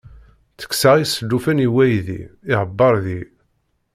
Ttekkseɣ isellufen i waydi, ihebber deg-i.